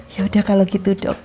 yaudah kalau gitu dok